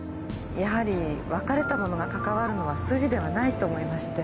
やはり別れた者が関わるのは筋ではないと思いまして。